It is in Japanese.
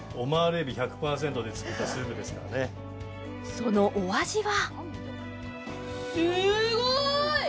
そのお味は？